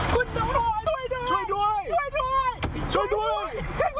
คุณตำรวจด้วยช่วยด้วยช่วยด้วยช่วยด้วย